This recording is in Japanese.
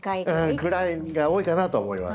ぐらいが多いかなと思います。